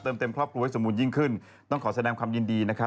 เต็มครอบครัวให้สมบูรณยิ่งขึ้นต้องขอแสดงความยินดีนะครับ